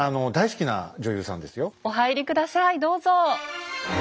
お入り下さいどうぞ。